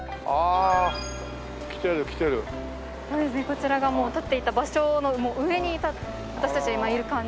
こちらが立っていた場所の上に私たち今いる感じ。